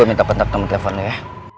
gue minta pentar temen telepon lu ya